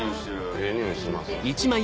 ええ匂いします。